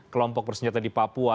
kelompok bersenjata di papua